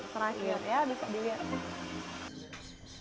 terakhir ya bisa dilihat